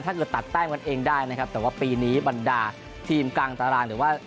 ตัดแต้มกันเองได้นะครับแต่ว่าปีนี้บรรดาทีมกลางตารางหรือว่า